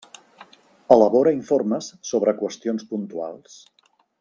Elabora informes sobre qüestions puntuals.